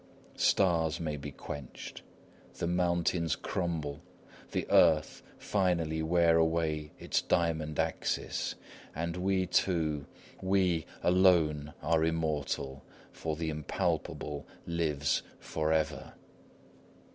Stars may be quenched, the mountains crumble, the earth finally wear away its diamond axis; but we two, we alone are immortal, for the impalpable lives forever!